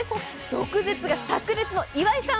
毒舌がさく裂の岩井さん